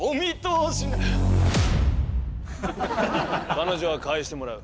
彼女は返してもらう。